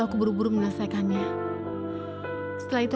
aku akan menemukanmu